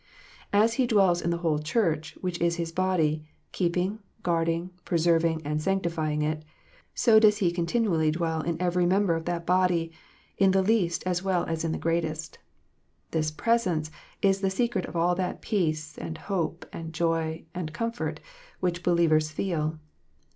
As He dwells in the whole Church, which is His body, keep ing, guarding, preserving, and sanctifying it, so does He con tinually dwell in every member of that body, in the least as well as in the greatest. This " presence " is the secret of all that peace, and hope, and joy, and comfort, which believers feel.